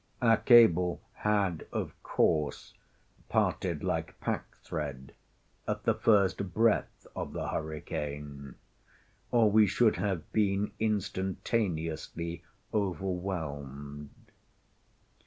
Our cable had, of course, parted like pack thread, at the first breath of the hurricane, or we should have been instantaneously overwhelmed.